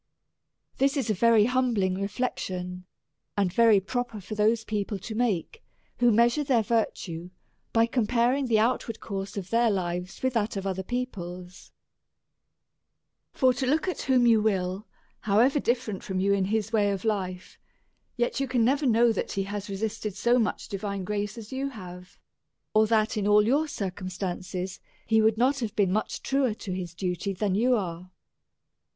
This is a very humbling reflection, and very pro per for those people to make, who measure their vir tue by comparing the outward course of their lives with that of other people's : for look at whom you will, however ditferent from you in his way of life, yet you can never know that he has resisted so much divine grace as you have ; or that, in all your circum stances, he would not have been much truer to his duty than you are.